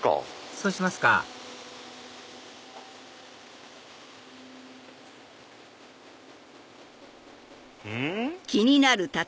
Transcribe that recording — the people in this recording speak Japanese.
そうしますかうん？